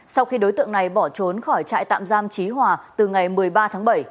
sau khi đối tượng này bỏ trốn khỏi trại tạm giam trí hòa từ ngày một mươi ba tháng bảy